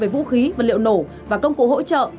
vũ khí vật liệu nổ và công cụ hỗ trợ